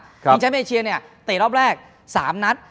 ชิงแชมป์เอเชียเนี่ยเตะรอบแรก๓นัด